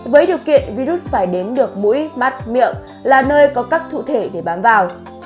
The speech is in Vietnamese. với điều kiện virus phải đến được mũi mắt miệng là nơi có các cụ thể để bám vào